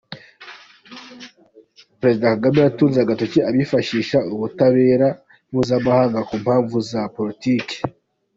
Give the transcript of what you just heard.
Perezida Kagame yatunze agatoki abifashisha ubutabera mpuzamahanga ku mpamvu za politiki